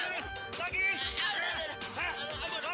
tidak menawarkan teman teman lo